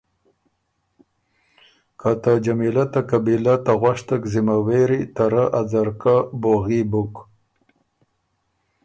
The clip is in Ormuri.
که ته جمیلۀ ته قبیلۀ ته غؤشتک ذمه وېری ته رۀ ا ځرکۀ بوغي بُک،